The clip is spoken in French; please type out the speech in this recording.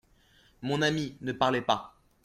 Mon ami, ne parlez pas.